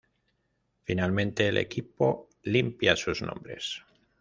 Finalmente, el equipo limpia sus nombres.